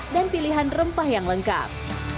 dan pilihan rempah yang lengkap